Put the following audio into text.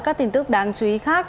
các tin tức đáng chú ý khác